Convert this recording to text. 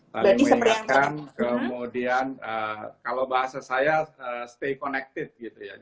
saling mengingatkan kemudian kalau bahasa saya stay connected gitu ya